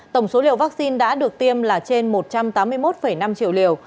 tổng số liều vaccine đã được tiêm là trên một trăm tám mươi một năm triệu liều